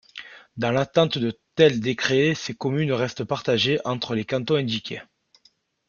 Dans l'attente de tels décrets, ces communes restent partagées entre les cantons indiqués.